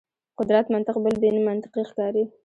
قدرت منطق بل بې منطقي ښکاري.